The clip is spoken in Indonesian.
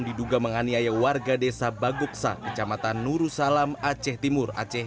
diduga menganiaya warga desa baguksa kecamatan nurusalam aceh timur aceh